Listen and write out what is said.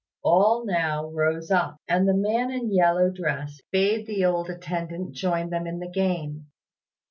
All now rose up, and the man in the yellow dress bade the old attendant join them in the game.